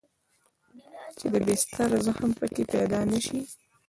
چې د بستر زخم پکښې پيدا نه سي.